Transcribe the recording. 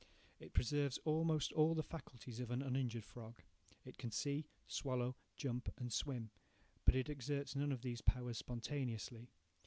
It preserves almost all the faculties of an uninjured frog. It can see, swallow, jump, and swim; but it exerts none of these powers spontaneously.